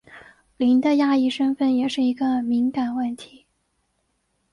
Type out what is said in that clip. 林的亚裔身份也是一个敏感问题。